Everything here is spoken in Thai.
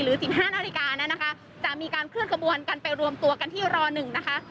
สิบห้านาฬิกานั้นนะคะจะมีการเคลื่อนขบวนกันไปรวมตัวกันที่ร๑นะคะ